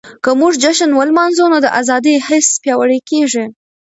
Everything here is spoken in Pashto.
که موږ جشن ولمانځو نو د ازادۍ حس پياوړی کيږي.